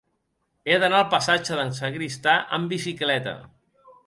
He d'anar al passatge d'en Sagristà amb bicicleta.